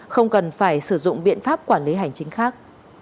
không cần phải sử dụng biện pháp quản lý hành chính khác